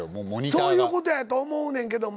そういうことやと思うねんけども。